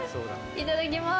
いただきます。